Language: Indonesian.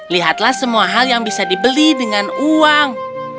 lihatlah semua hal yang bisa dibeli dengan uang